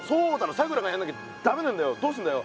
さくらがやんなきゃだめなんだよどうすんだよ。